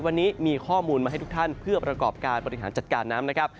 วันนี้มีข้อมูลมาให้ทุกท่านเพื่อประกอบการบริหารจัดการน้ำนะครับ